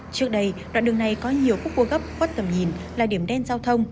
trước đây đoạn đường này có nhiều khúc cua gấp khuất tầm nhìn là điểm đen giao thông